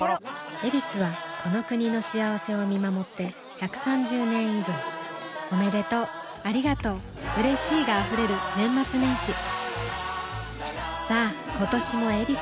「ヱビス」はこの国の幸せを見守って１３０年以上おめでとうありがとううれしいが溢れる年末年始さあ今年も「ヱビス」で